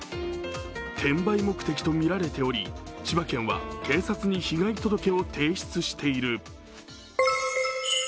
転売目的とみられており千葉県は警察に被害届を提出している。